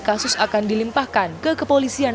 kasus akan dilimpahkan ke kepolisian